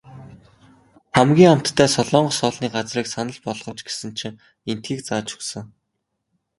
Хамгийн амттай солонгос хоолны газрыг санал болгооч гэсэн чинь эндхийг зааж өгсөн.